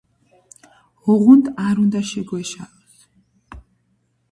ოღონდ არ უნდა შეგვეშალოს.